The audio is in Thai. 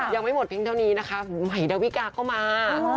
ยังไม่หมดเพียงเท่านี้นะคะใหม่ดาวิกาก็มา